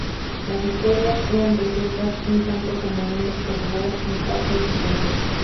Las historias eran resueltas un tanto como en Doctor Who, en cuatro episodios.